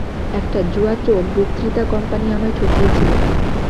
একটা জুয়াচোর বক্তৃতা কোম্পানী আমায় ঠকিয়েছিল।